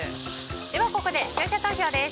ここで視聴者投票です。